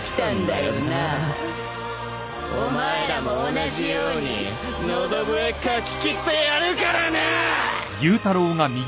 お前らも同じように喉笛かき切ってやるからなぁあ！